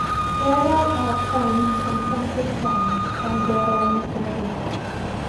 Rarer are finds from Frankish times, as they are almost everywhere.